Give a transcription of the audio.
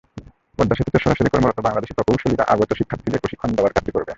পদ্মা সেতুতে সরাসরি কর্মরত বাংলাদেশি প্রকৌশলীরা আগত শিক্ষার্থীদের প্রশিক্ষণ দেওয়ার কাজটি করবেন।